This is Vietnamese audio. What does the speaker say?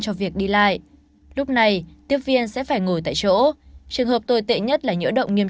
cho việc đi lại lúc này tiếp viên sẽ phải ngồi tại chỗ trường hợp tồi tệ nhất là nhỡ động nghiêm